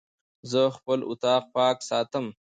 زه خپل اطاق پاک ساتم.